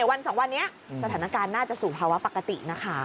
วัน๒วันนี้สถานการณ์น่าจะสู่ภาวะปกตินะคะ